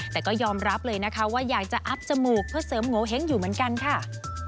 แต่ก็ยอมรับเลยนะคะว่าอยากจะอัพจมูกเพื่อเสริมโงเห้งอยู่เหมือนกันค่ะ